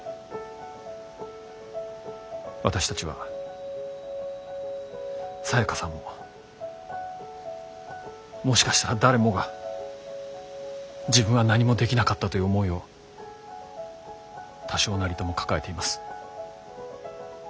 私たちはサヤカさんももしかしたら誰もが自分は何もできなかったという思いを多少なりとも抱えています。